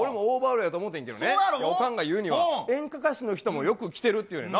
おかんが言うには演歌歌手の人もよく着てるっていうんやな。